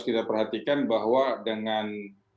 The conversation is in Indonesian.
kita perhatikan bahwa dengan